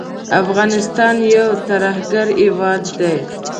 افغانستان یو ترهګر هیواد دی